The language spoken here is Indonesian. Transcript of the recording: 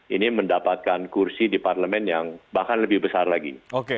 ini mendapatkan kursi di parlemen yang bahkan lebih besar lagi